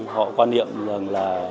họ quan niệm rằng là